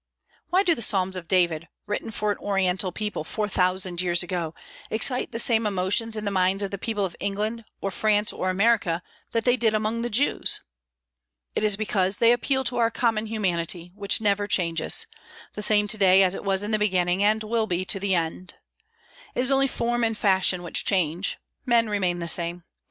Why do the Psalms of David, written for an Oriental people four thousand years ago, excite the same emotions in the minds of the people of England or France or America that they did among the Jews? It is because they appeal to our common humanity, which never changes, the same to day as it was in the beginning, and will be to the end. It is only form and fashion which change; men remain the same.